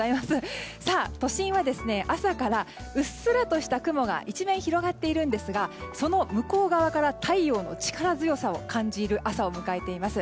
都心は朝からうっすらとした雲が一面、広がっているんですがその向こう側から太陽の力強さを感じる朝を迎えています。